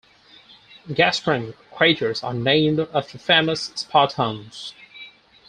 Gaspran craters are named after famous spa towns.